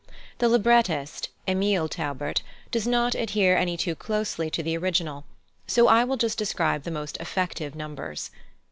The librettist, Emil Taubert, does not adhere any too closely to the original, so I will just describe the most effective numbers.